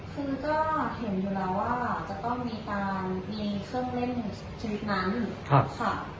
คือก็เห็นอยู่แล้วว่าจะต้องมีการมีเครื่องเล่นชนิดนั้นค่ะ